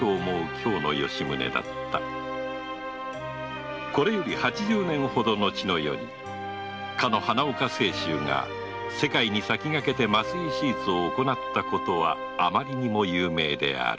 今日の吉宗だったこれより八十年ほど後の世に華岡青州が世界に先駆けて麻酔手術を行ったことはあまりにも有名である